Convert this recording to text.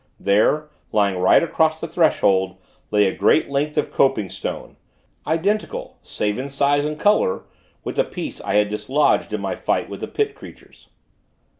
There, lying right across the threshold, lay a great length of coping stone, identical save in size and color with the piece I had dislodged in my fight with the Pit creatures.